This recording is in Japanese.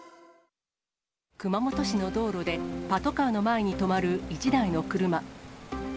熊本市の道路で、パトカーの前に止まる１台の車。